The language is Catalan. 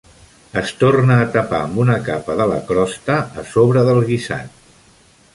Es torna a tapar amb una capa de la crosta a sobre del guisat.